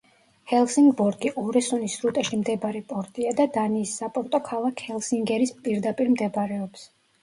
ჰელსინგბორგი ორესუნის სრუტეში მდებარე პორტია და დანიის საპორტო ქალაქ ჰელსინგერის პირდაპირ მდებარეობს.